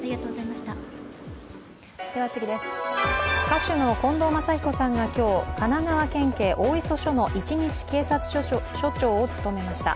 歌手の近藤真彦さんが今日、神奈川県警大磯署の一日警察署長を務めました。